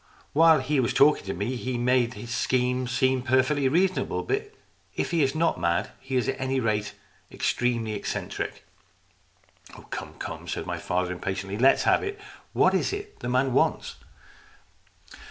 While he was talking to me he made his scheme seem perfectly reasonable, but if he is not mad, he is at any rate extremely eccentric." " Oh, come, come," said my father impatiently. " Let's have it. What is it the man wants